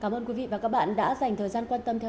vui an và hình minh